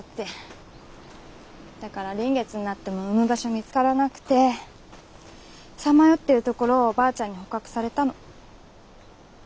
だから臨月になっても産む場所見つからなくてさまよってるところをばあちゃんに捕獲されたの。